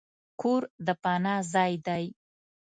کور د پناه ځای دی.